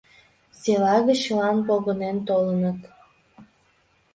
Села гыч чылан погынен толыныт.